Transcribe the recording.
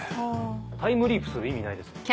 タイムリープする意味ないですもんね。